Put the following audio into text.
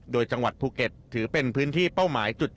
โดยจังหวัดภูเก็ตถือเป็นพื้นที่เป้าหมายจุด